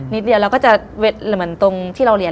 เดียวเราก็จะเหมือนตรงที่เราเรียน